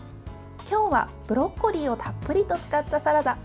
今日はブロッコリーをたっぷりと使ったサラダ。